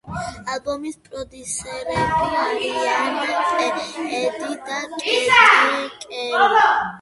ალბომის პროდიუსერები არიან პედი და კეტი კელი.